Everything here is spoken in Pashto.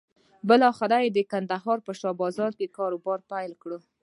بالاخره یې د کندهار په شا بازار کې کاروبار پيل کړ.